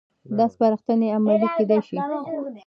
دا سپارښتنې عملي کېدای شي.